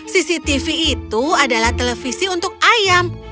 cctv itu adalah televisi untuk ayam